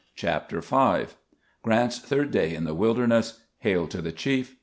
CHAPTER V GBANT'S THIBD day in the wilderness — HAIL TO THE chief!